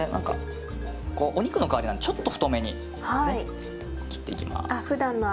お肉の代わりなんでちょっと太めに切っていきます。